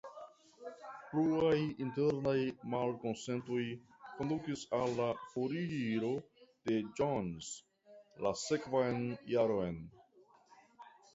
Pluaj internaj malkonsentoj kondukis al la foriro de Jones la sekvan jaron.